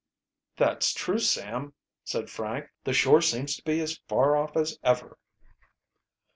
"That's true, Sam," said Frank. "The shore seems to be as far off as ever."